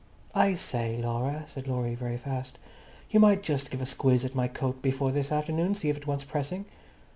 "I say, Laura," said Laurie very fast, "you might just give a squiz at my coat before this afternoon. See if it wants pressing."